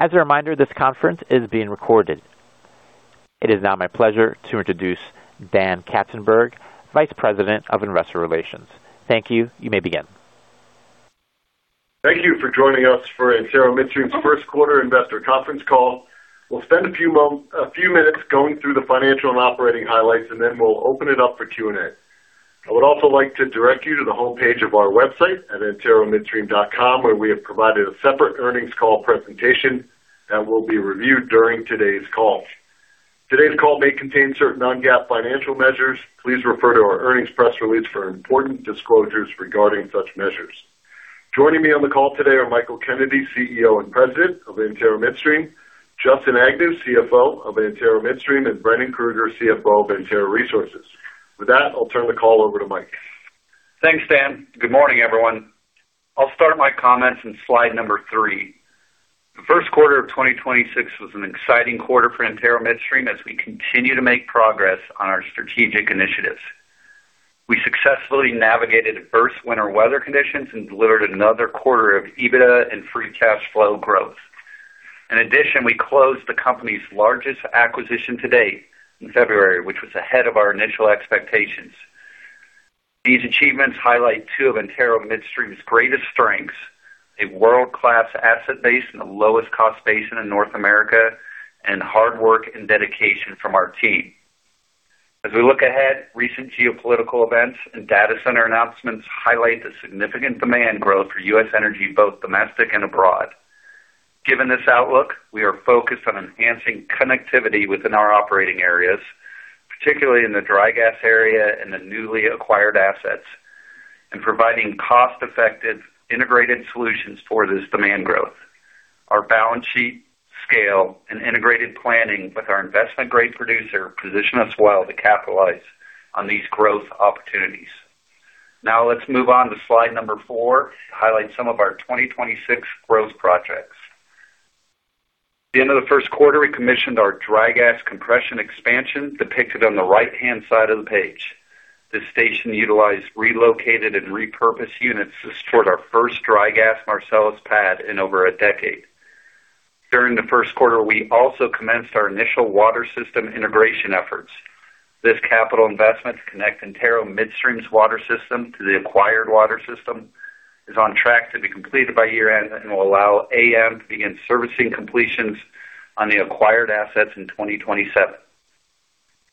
As a reminder, this conference is being recorded. It is now my pleasure to introduce Dan Katzenberg, Vice President of Investor Relations. Thank you. You may begin. Thank you for joining us for Antero Midstream's first quarter investor conference call. We'll spend a few minutes going through the financial and operating highlights, and then we'll open it up for Q&A. I would also like to direct you to the homepage of our website at anteromidstream.com, where we have provided a separate earnings call presentation that will be reviewed during today's call. Today's call may contain certain non-GAAP financial measures. Please refer to our earnings press release for important disclosures regarding such measures. Joining me on the call today are Michael Kennedy, CEO and President of Antero Midstream, Justin Agnew, CFO of Antero Midstream, and Brendan E. Krueger, CFO of Antero Resources. With that, I'll turn the call over to Mike. Thanks, Dan. Good morning, everyone. I'll start my comments in slide number three. The first quarter of 2026 was an exciting quarter for Antero Midstream as we continue to make progress on our strategic initiatives. We successfully navigated adverse winter weather conditions and delivered another quarter of EBITDA and free cash flow growth. In addition, we closed the company's largest acquisition to date in February, which was ahead of our initial expectations. These achievements highlight two of Antero Midstream's greatest strengths, a world-class asset base in the lowest cost basin in North America, and hard work and dedication from our team. As we look ahead, recent geopolitical events and data center announcements highlight the significant demand growth for U.S. energy, both domestic and abroad. Given this outlook, we are focused on enhancing connectivity within our operating areas, particularly in the dry gas area and the newly acquired assets, and providing cost-effective integrated solutions for this demand growth. Our balance sheet scale and integrated planning with our investment-grade producer position us well to capitalize on these growth opportunities. Let's move on to slide number four to highlight some of our 2026 growth projects. At the end of the first quarter, we commissioned our dry gas compression expansion depicted on the right-hand side of the page. This station utilized relocated and repurposed units to support our first dry gas Marcellus pad in over a decade. During the first quarter, we also commenced our initial water system integration efforts. This capital investment to connect Antero Midstream's water system to the acquired water system is on track to be completed by year-end and will allow AM to begin servicing completions on the acquired assets in 2027.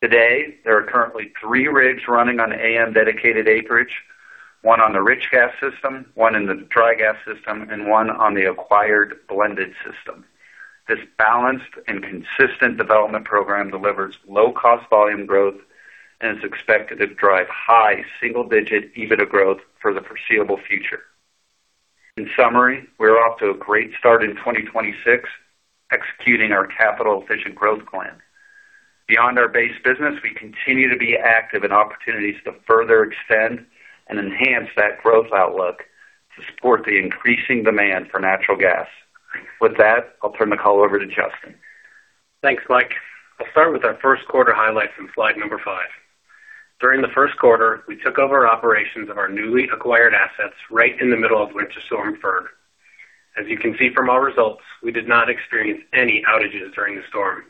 Today, there are currently three rigs running on AM dedicated acreage, one on the rich gas system, one in the dry gas system, and one on the acquired blended system. This balanced and consistent development program delivers low-cost volume growth and is expected to drive high single-digit EBITDA growth for the foreseeable future. In summary, we're off to a great start in 2026, executing our capital-efficient growth plan. Beyond our base business, we continue to be active in opportunities to further extend and enhance that growth outlook to support the increasing demand for natural gas. With that, I'll turn the call over to Justin. Thanks, Michael. I'll start with our first quarter highlights in slide number five. During the first quarter, we took over operations of our newly acquired assets right in the middle of winter storm Gerri. As you can see from our results, we did not experience any outages during the storm,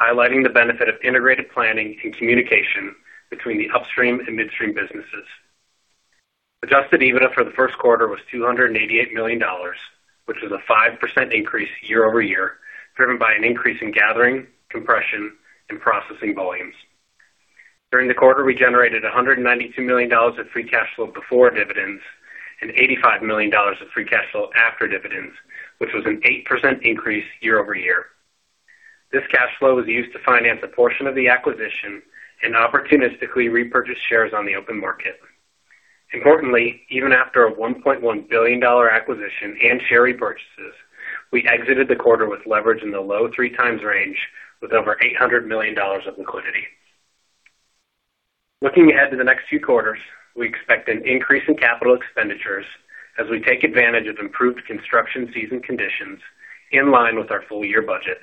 highlighting the benefit of integrated planning and communication between the upstream and midstream businesses. Adjusted EBITDA for the first quarter was $288 million, which was a 5% increase year-over-year, driven by an increase in gathering, compression, and processing volumes. During the quarter, we generated $192 million of free cash flow before dividends and $85 million of free cash flow after dividends, which was an 8% increase year-over-year. This cash flow was used to finance a portion of the acquisition and opportunistically repurchase shares on the open market. Importantly, even after a $1.1 billion acquisition and share repurchases, we exited the quarter with leverage in the low three times range with over $800 million of liquidity. Looking ahead to the next few quarters, we expect an increase in capital expenditures as we take advantage of improved construction season conditions in line with our full year budget.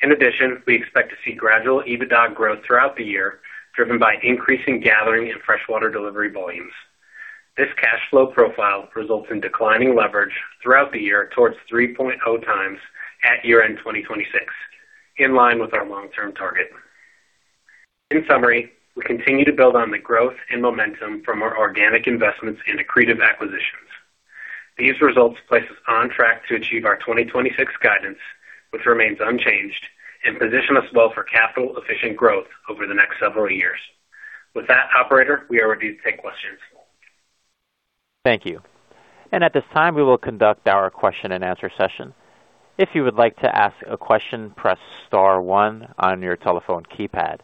In addition, we expect to see gradual EBITDA growth throughout the year, driven by increasing gathering and freshwater delivery volumes. This cash flow profile results in declining leverage throughout the year towards 3.0 times at year-end 2026, in line with our long-term target. In summary, we continue to build on the growth and momentum from our organic investments and accretive acquisitions. These results place us on track to achieve our 2026 guidance, which remains unchanged, and position us well for capital-efficient growth over the next several years. With that, operator, we are ready to take questions. Thank you. At this time, we will conduct our question and answer session. If you would like to ask a question, press star one on your telephone keypad.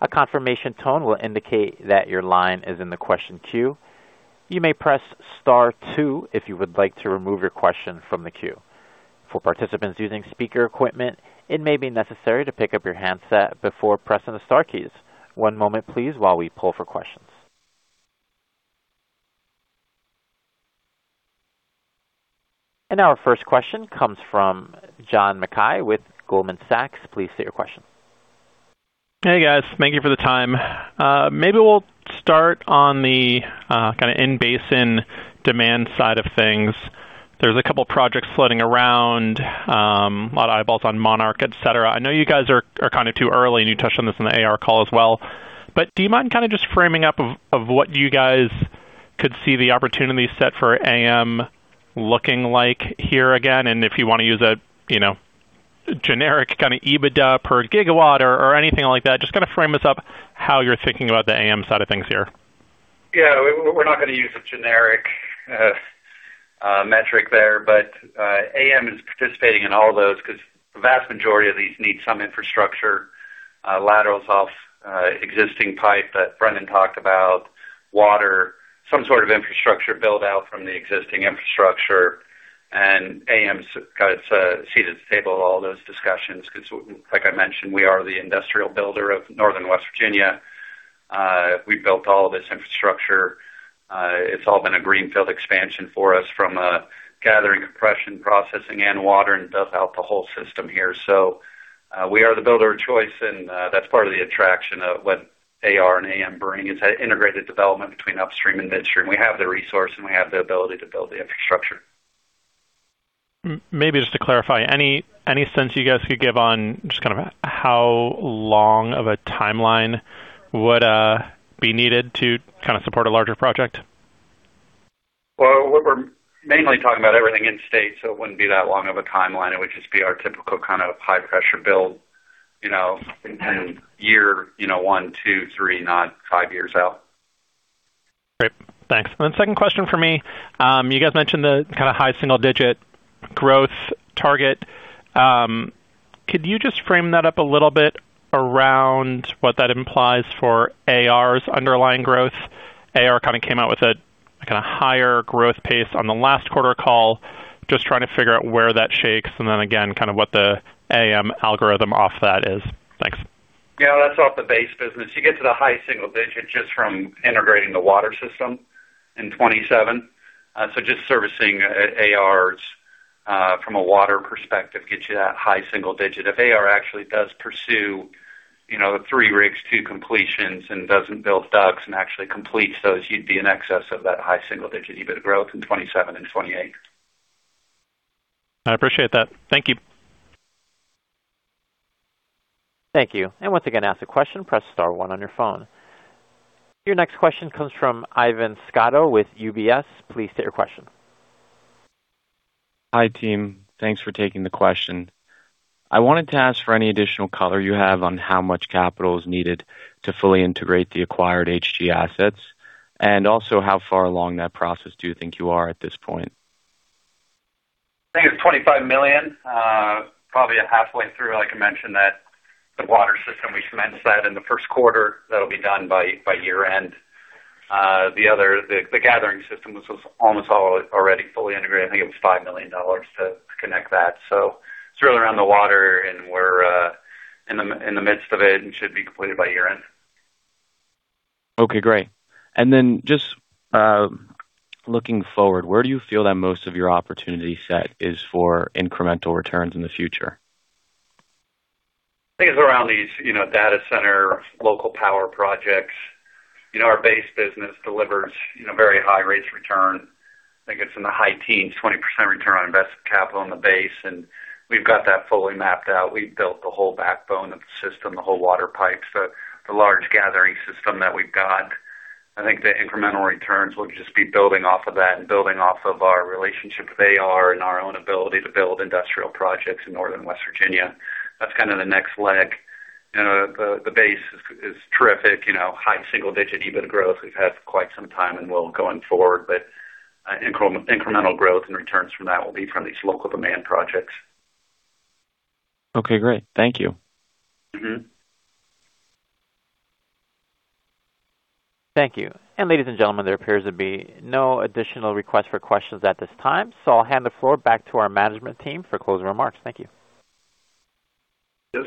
A confirmation tone will indicate that your line is in the question queue. You may press star two if you would like to remove your question from the queue. For participants using speaker equipment, it may be necessary to pick up your handset before pressing the star keys. One moment, please, while we pull for questions. Our first question comes from John Mackay with Goldman Sachs. Please state your question. Hey guys, thank you for the time. Maybe we'll start on the kinda in-basin demand side of things. There's a couple projects floating around, a lot of eyeballs on Monarch, et cetera. I know you guys are kind of too early, and you touched on this in the AR call as well. Do you mind kinda just framing up what you guys could see the opportunity set for AM looking like here again? If you wanna use a, you know, generic kind of EBITDA per gigawatt or anything like that, just kind of frame us up how you're thinking about the AM side of things here. We're, we're not gonna use a generic metric there, but AM is participating in all of those 'cause the vast majority of these need some infrastructure, laterals off existing pipe that Brendan talked about, water, some sort of infrastructure build-out from the existing infrastructure. AM's got its seat at the table all those discussions 'cause, like I mentioned, we are the industrial builder of Northern West Virginia. We built all of this infrastructure. It's all been a greenfield expansion for us from a gathering, compression, processing, and water, and built out the whole system here. We are the builder of choice and that's part of the attraction of what AR and AM bring is that integrated development between upstream and midstream. We have the resource and we have the ability to build the infrastructure. Maybe just to clarify, any sense you guys could give on just kind of how long of a timeline would be needed to kind of support a larger project? We're mainly talking about everything in state, so it wouldn't be that long of a timeline. It would just be our typical kind of high pressure build, you know, in kind of year, you know, 1, 2, 3, not five years out. Great. Thanks. Second question for me. You guys mentioned the kind of high single-digit growth target. Could you just frame that up a little bit around what that implies for AR's underlying growth? AR kind of came out with a kind of higher growth pace on the last quarter call. Just trying to figure out where that shakes, again, kind of what the AM algorithm off that is. Thanks. That's off the base business. You get to the high single digit just from integrating the water system in 2027. Just servicing AR's from a water perspective gets you that high single digit. If AR actually does pursue, you know, three rigs, two completions, and doesn't build DUCs and actually completes those, you'd be in excess of that high single-digit EBITDA growth in 2027 and 2028. I appreciate that. Thank you. Thank you. Your next question comes from Ivan Scotto with UBS. Hi, team. Thanks for taking the question. I wanted to ask for any additional color you have on how much capital is needed to fully integrate the acquired HG assets, and also how far along that process do you think you are at this point? I think it's $25 million, probably at halfway through. Like I mentioned that the water system, we commenced that in the first quarter. That'll be done by year-end. The gathering system, which was almost all already fully integrated, I think it was $5 million to connect that. It's really around the water, and we're in the midst of it and should be completed by year-end. Okay, great. Then just, looking forward, where do you feel that most of your opportunity set is for incremental returns in the future? I think it's around these, you know, data center, local power projects. You know, our base business delivers, you know, very high rates return. I think it's in the high teens, 20% return on invested capital on the base, and we've got that fully mapped out. We've built the whole backbone of the system, the whole water pipe, so the large gathering system that we've got. I think the incremental returns will just be building off of that and building off of our relationship with AR and our own ability to build industrial projects in Northern West Virginia. That's kind of the next leg. You know, the base is terrific. You know, high single-digit EBITDA growth we've had for quite some time and will going forward, but incremental growth and returns from that will be from these local demand projects. Okay, great. Thank you. Mm-hmm. Thank you. Ladies and gentlemen, there appears to be no additional requests for questions at this time. I'll hand the floor back to our management team for closing remarks. Thank you.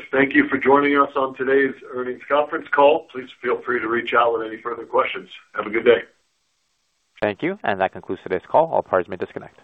Yes, thank you for joining us on today's earnings conference call. Please feel free to reach out with any further questions. Have a good day. Thank you. That concludes today's call. All parties may disconnect.